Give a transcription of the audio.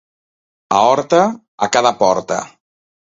A Horta, a cada porta.